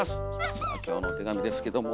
さあ今日のお手紙ですけども。